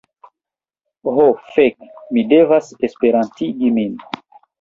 Ho fek, mi devas Esperantigi min.